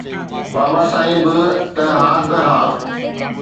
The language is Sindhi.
بابا سائين به ته ها ته ها